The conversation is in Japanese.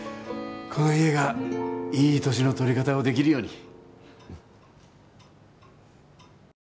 この家がいい年の取り方をできるように